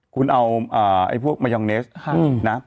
คุณเอาพวกมายองเนสนะ